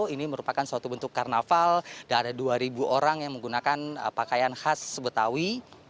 ini merupakan suatu bentuk karnaval dan ada dua orang yang menggunakan pakaian khas betawi